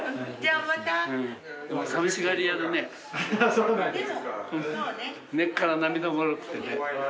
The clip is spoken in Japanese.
そうなんですか。